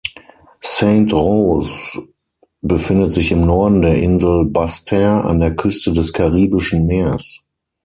Sainte-Rose befindet sich im Norden der Insel Basse-Terre an der Küste des Karibischen Meers.